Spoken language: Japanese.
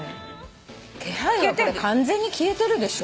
気配は完全に消えてるでしょ。